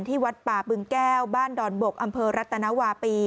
วัดป่าบึงแก้วบ้านดอนบกอำเภอรัตนวาปี